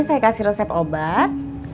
saya kasih resep obat